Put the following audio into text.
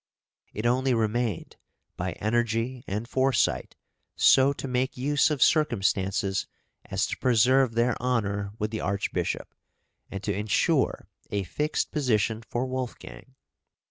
It only remained, by energy and foresight, so to make use of circumstances as to preserve their honour with the Archbishop, and to insure a fixed position for Wolfgang.